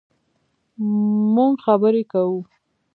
مونږ خبرې کوو